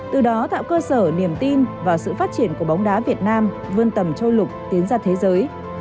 từ đó tạo cơ sở niềm tin vào sự phát triển của bóng đá việt nam vươn tầm châu lục tiến ra thế giới